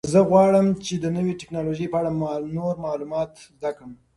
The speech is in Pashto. زه غواړم چې د نوې تکنالوژۍ په اړه نور معلومات زده کړم.